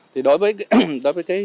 thì đối với